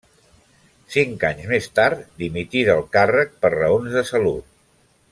Cinc anys més tard, dimití del càrrec per raons de salut.